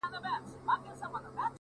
o دا ستا د حسن د اختر پر تندي؛